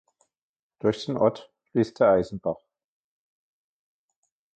Durch den Ort fließt der Eisenbach.